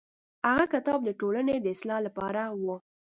هغه کتاب د ټولنې د اصلاح لپاره و.